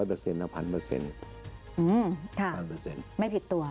ค่ะไม่ผิดตัว๑๐๐๐